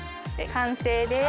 完成です。